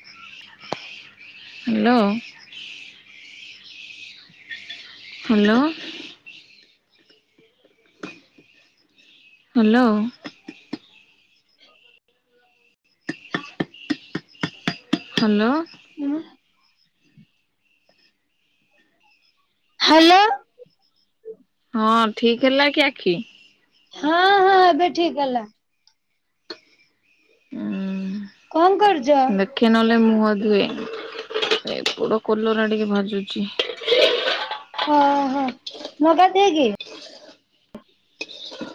ହା ଲୋ। Hello. Hello. [inaudible] Hello. ଉଁ। Hello. ହଁ ଠିକ ହେଲା କି ଆଖି। ହଁ ହଁ ଏବେ ଠିକ ହେଲା। ଉଁ ହୁଁ। କଣ କରୁଚ। ଟିକେ ନହେଲେ ମୁହଁ ଧୁଏ ଏ ବଡ କଲରା ଟିକେ ଭାଜୁଛି। ହଁ ହଁ ମୁହଁ ଟା ଧୋଇକି।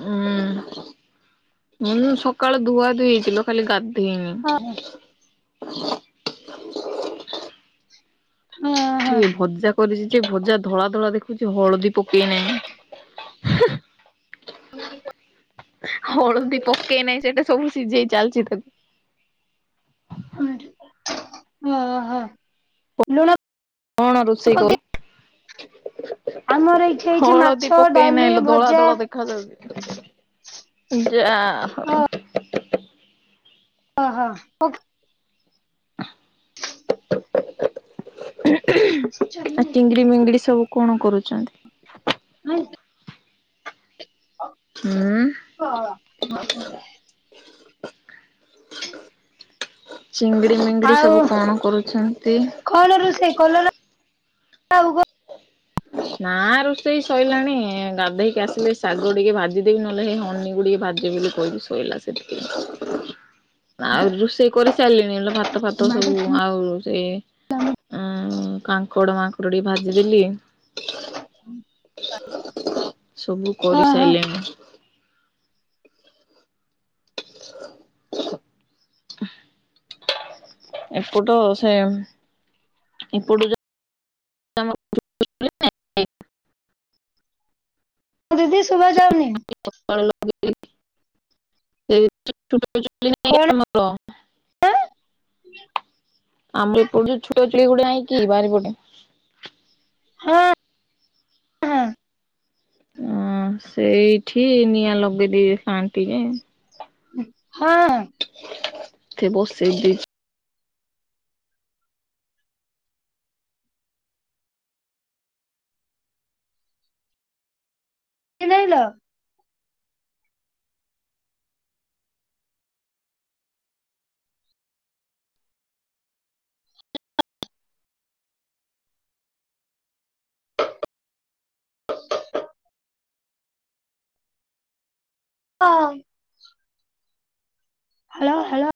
ଉୁଁ, ମୁଁ କିନ୍ତୁ ସକାଳୁ ଧୁଆଧୁଇ ହେଇଛି ଲୋ, ଖାଲି ଗାଧେଇ ନି। ହଁ। ହୁଁ। ଟିକେ ଭଜା କରିଛି ଯେ, ଭଜା ଧଳା ଧଳା ଦେଖଉଛି ହଳଦୀ ପକେଇନାହିଁ। ହେଁ। ହଳଦୀ ପକେଇ ନାହିଁ, ସେଟା ସବୁ ସିଝେଇ ଚାଲିଛି ତାକୁ। ଓ ହୋ‌ ଲୁଣ। କଣ ରୋଷେଇ ପକେଇ କରେ ଆମର ଏଇଠି ହେଇଛି ମାଛ ହଳଦୀ ପକେଇ ଡାଲି ନାହିଁ, ଧଳା ଭଜା ଧଳା ଦେଖ ଖା ଯାଉଛି ଯା ହଉ। ଅ ହ। ଆଉ ତିଙ୍ଗିଡି ମିଙ୍ଗିଡି ସବୁ କଣ କରୁଛନ୍ତି। [unintelligible] ଆଉ। ହୁଁ। [unintelligible] ଚିଙ୍ଗିଡି ମିଙ୍ଗିଡି ଆଉ ସବୁ କଣ କରୁଛନ୍ତି। କଣ ରୋଷେଇ କଲରା ଆଉ କ। ନା ରୋଷେଇ ସଇଲାଣି ଗାଧେଇକି ଆସିଲେ ଶାଗ ଟିକେ ଭାଜିଦେବି ନହେଲେ ହେ ହନି କୁ ଟିକେ ଭାଜ ଜିବି ବୋଲି କହିବି ଶଇଲା ସେତିକି ରେ। ଆଉ ରୁଷେଇ କରି ସାରିଲିଣି ହେଲେ ଭାତ ଫାତ ସବୁ କଣ ଆଉ ସେ ଉଁ କାଙ୍କଡ଼ ମାଙ୍କଡ଼ ଟିକେ ଭାଜିଦେଲି। ସବୁ କରି ଓହୋ ସାଇଲିଣି। ଏପଟ ସେ ଏପଟୁ ଯା ଦିଦି ଶୁଭା ଯାଉନି। [unintelligible] ଆମ ଏପଟେ ଛୁଆ କଣ ଚୁଲି ଗୋଟେ ନାହିଁ କି ବାରି ପଟେ। ହଁ। ହଁ ଅଁ ସେଇଠି ନିଆଁ ଲଗେଇ ଦେଇ ଥାନ୍ତି ଇଏ। ଉଁ ହଁ। ଟି ବସେଇ ଦେଇଚି। କେମତି ଆଇଲ? ଅଁ। Hello hello.